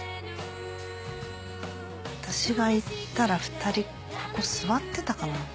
私が言ったら２人ここ座ってたかな。